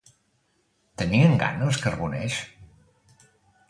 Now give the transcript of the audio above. Tenien gana els carboners?